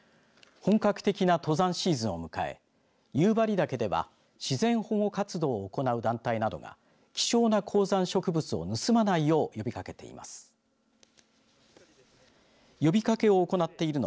本格的な登山シーズンを迎え夕張岳では自然保護活動を行う団体などが希少な鉱山植物を盗まないよう呼びかけています。